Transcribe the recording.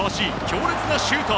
強烈なシュート！